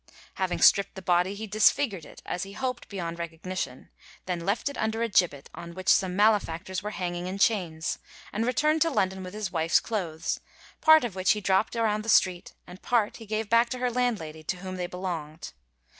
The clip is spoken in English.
Having stripped the body, he disfigured it, as he hoped, beyond recognition, then left it under a gibbet on which some malefactors were hanging in chains, and returned to London with his wife's clothes, part of which he dropped about the street, and part he gave back to her landlady, to whom they belonged.